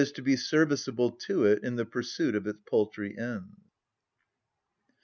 _, to be serviceable to it in the pursuit of its paltry ends.